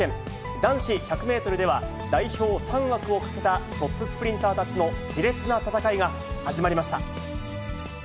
男子１００メートルでは、代表３枠をかけたトップスプリンターたちのしれつな戦いが始まりました。